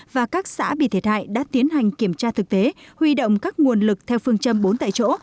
và các xã bị thiệt hại đã tiến hành kiểm tra thực tế huy động các nguồn lực theo phương châm bốn tại chỗ